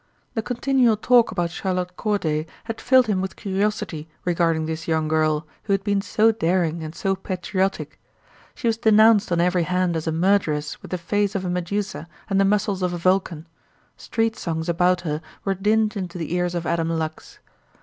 The continual talk about Charlotte Corday had filled him with curiosity regarding this young girl who had been so daring and so patriotic. She was denounced on every hand as a murderess with the face of a Medusa and the muscles of a Vulcan. Street songs about her were dinned into the ears of Adam Lux.